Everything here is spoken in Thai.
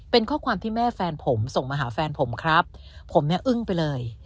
เป็นข้อความที่แม่แฟนผมส่งมาหาแฟนผมครับผมเนี่ยอึ้งไปเลย